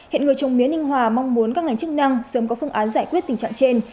hiện người trồng mía ninh hòa mong muốn các ngành chức năng sớm có phương án giải quyết tình trạng trên